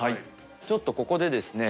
ちょっとここでですね